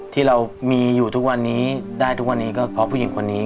ที่เรามีอยู่ทุกวันนี้ได้ทุกวันนี้ก็เพราะผู้หญิงคนนี้